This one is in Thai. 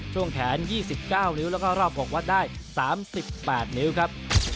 ช่วงแขน๒๙นิ้วแล้วก็รอบ๖วัดได้๓๘นิ้วครับ